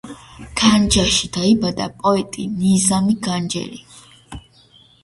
განჯაში დაიბადა პოეტი ნიზამი განჯელი.